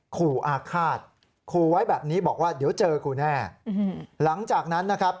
ขู่อาฆาตขู่ไว้แบบนี้บอกว่าเดี๋ยวเจอกูแน่หลังจากนั้นนะครับ